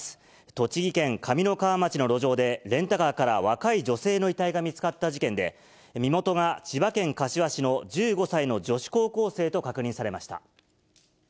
栃木県上三川町の路上で、レンタカーから若い女性の遺体が見つかった事件で、身元が千葉県柏市の１５歳の女子高校生と確認されました。